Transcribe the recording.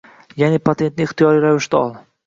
Ya’ni, patentni ixtiyoriy ravishda ol